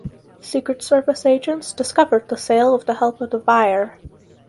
Secret Service agents discovered the sale with the help of the buyer.